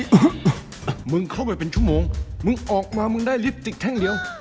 มึงเข้าไปเป็นชั่วโมงมึงออกมามึงได้ลิปจิกแท่งเดียว